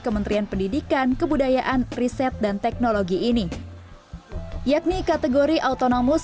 kementerian pendidikan kebudayaan riset dan teknologi ini yakni kategori autonomus